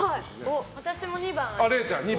私も２番。